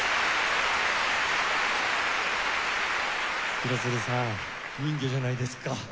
廣津留さん人魚じゃないですか。